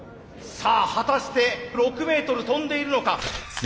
さあ果たして６メートル跳んでいるのか。